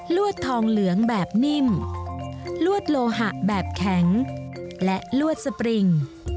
วดทองเหลืองแบบนิ่มลวดโลหะแบบแข็งและลวดสปริง